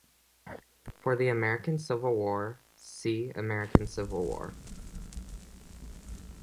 For the American civil war, see American Civil War.